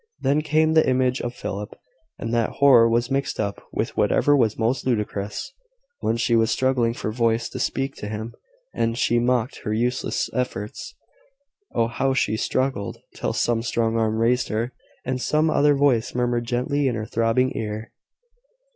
Then came the image of Philip; and that horror was mixed up with whatever was most ludicrous. Once she was struggling for voice to speak to him, and he mocked her useless efforts. Oh, how she struggled! till some strong arm raised her, and some other voice murmured gently in her throbbing ear.